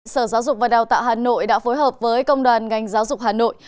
sở giáo dục và đào tạo hà nội đã phối hợp với công đoàn ngành giáo dục hà nội